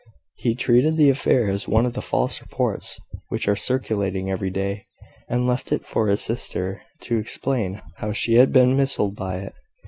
He treated the affair as one of the false reports which are circulating every day, and left it for his sister to explain how she had been misled by it.